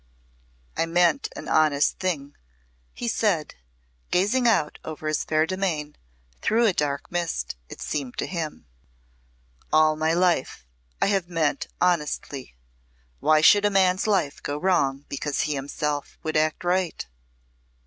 "I meant an honest thing," he said, gazing out over his fair domain through a dark mist, it seemed to him. "All my life I have meant honestly. Why should a man's life go wrong because he himself would act right?"